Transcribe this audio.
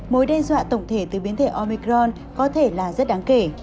mối đe dọa tổng thể từ biến thể omicron có thể là rất đáng kể